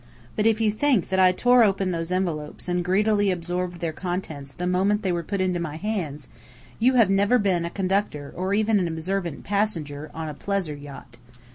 But if you think that I tore open those envelopes and greedily absorbed their contents the moment they were put into my hands, you have never been a conductor or even an observant passenger on a "pleasure yacht."